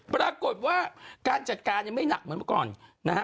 ปรากฏว่าการจัดการยังไม่หนักเหมือนก่อน